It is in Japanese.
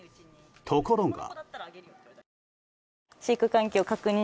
ところが。